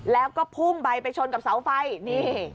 แล้วก็พุ่งไปไปชนกับเสาไฟนี่